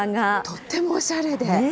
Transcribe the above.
とってもおしゃれで。